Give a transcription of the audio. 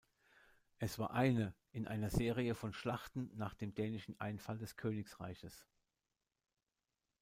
Es war eine in einer Serie von Schlachten nach dem dänischen Einfall des Königreiches.